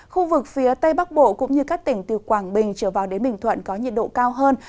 khu vực phía tây bắc bộ cũng như các tỉnh từ quảng bình trở vào đến bình thuận có nhiệt độ cao hơn